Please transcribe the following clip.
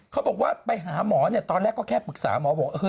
เขาบอกว่าไปหาหมอเนี่ยตอนแรกก็แค่ปรึกษาหมอบอก